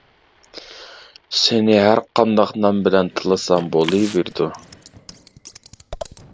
سېنى ھەرقانداق نام بىلەن تىللىسام بولۇۋېرىدۇ.